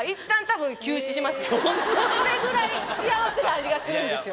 それぐらい幸せな味がするんですよ。